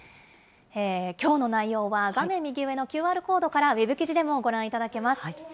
きょうの内容は、画面右上のＱＲコードからウェブ記事でもご覧いただけます。